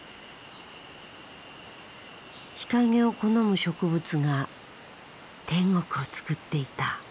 日陰を好む植物が天国を作っていた。